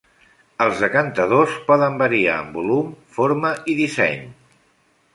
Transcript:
Els decantadors poden variar en volum, forma i disseny.